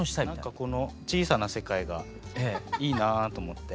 何かこの小さな世界がいいなあと思って。